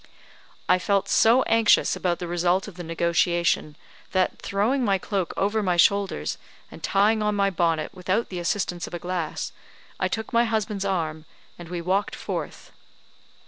I felt so anxious about the result of the negotiation, that, throwing my cloak over my shoulders, and tying on my bonnet without the assistance of a glass, I took my husband's arm, and we walked forth.